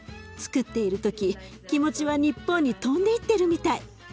つくっている時気持ちは日本に飛んでいっているみたい。